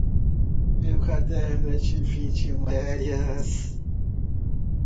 Meu caderno é de vinte matérias.